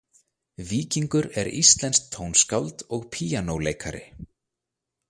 Víkingur er íslenskt tónskáld og píanóleikari.